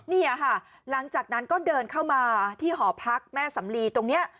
นี่ค่ะหลังจากนั้นก็เดินเข้ามาที่หอพักแม่สำลีตรงนี้